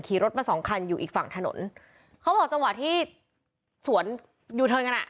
รถมาสองคันอยู่อีกฝั่งถนนเขาบอกจังหวะที่สวนยูเทิร์นกันอ่ะ